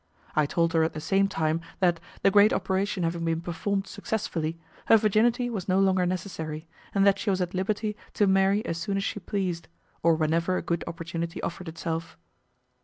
I told her at the same time that, the great operation having been performed successfully, her virginity was no longer necessary, and that she was at liberty to marry as soon as she pleased, or whenever a good opportunity offered itself.